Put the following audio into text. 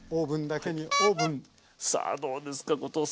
さあどうですか後藤さん。